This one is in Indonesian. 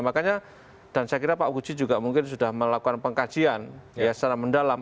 makanya dan saya kira pak uji juga mungkin sudah melakukan pengkajian secara mendalam